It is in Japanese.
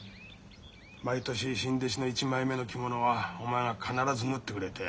毎年新弟子の１枚目の着物はお前が必ず縫ってくれて。